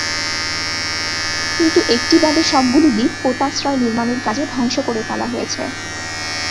কিন্তু একটি বাদে সবগুলি দ্বীপ পোতাশ্রয় নির্মাণের কাজে ধ্বংস করে ফেলা হয়েছে।